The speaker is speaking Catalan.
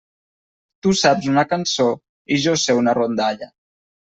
Tu saps una cançó i jo sé una rondalla.